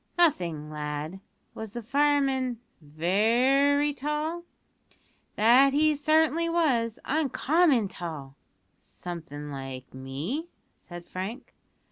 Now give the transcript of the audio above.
"Nothing, lad. Was the fireman very tall?" "That he certainly was uncommon tall." "Something like me?" said Frank.